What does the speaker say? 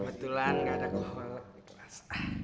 kebetulan gak ada kol di kelas